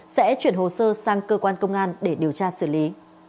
sẽ chuyển hồ sơ sang cơ quan công an để điều tra xử lý